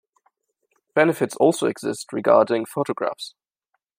Benefits also exist regarding photographs.